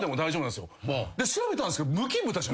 で調べたんですけど。